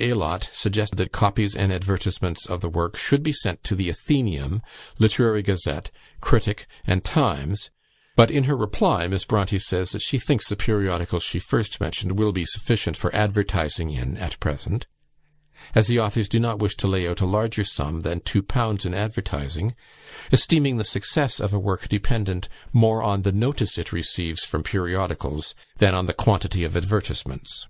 Aylott suggest that copies and advertisements of the work should be sent to the "Athenaeum," "Literary Gazette," "Critic," and "Times;" but in her reply Miss Bronte says, that she thinks the periodicals she first mentioned will be sufficient for advertising in at present, as the authors do not wish to lay out a larger sum than two pounds in advertising, esteeming the success of a work dependent more on the notice it receives from periodicals than on the quantity of advertisements.